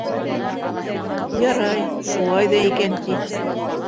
Ярай, шулай ҙа икән, ти.